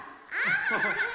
ハハハハ。